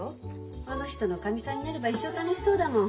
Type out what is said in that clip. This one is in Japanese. あの人のかみさんになれば一生楽しそうだもん。